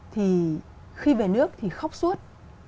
thì khi về nước thì khóc suốt